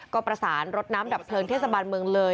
ก็ประสานรถน้ำดับเพลิงเทศบาลเมืองเลย